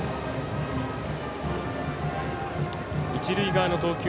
一塁側の投球